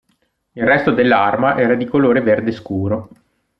Il resto dell'arma era di colore verde scuro.